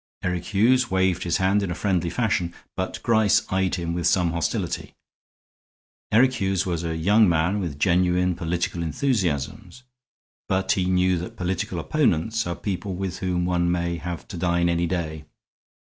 Eric Hughes waved his hand in a friendly fashion; but Gryce eyed him with some hostility. Eric Hughes was a young man with genuine political enthusiasms, but he knew that political opponents are people with whom one may have to dine any day.